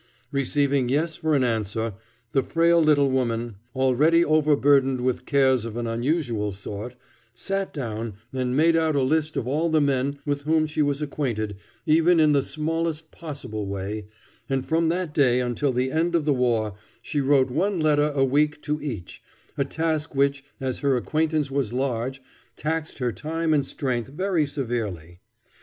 Receiving yes for an answer, the frail little woman, already overburdened with cares of an unusual sort, sat down and made out a list of all the men with whom she was acquainted even in the smallest possible way, and from that day until the end of the war she wrote one letter a week to each, a task which, as her acquaintance was large, taxed her time and strength very severely.